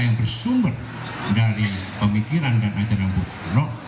yang bersumber dari pemikiran dan ajaran bulog